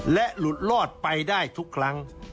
และหลุดรอดไปได้ทุกครั้ง